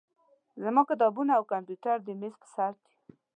زما کتابونه او کمپیوټر د میز په سر دي.